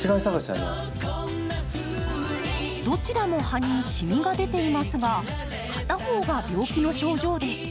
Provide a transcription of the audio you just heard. どちらも葉にしみが出ていますが片方が病気の症状です。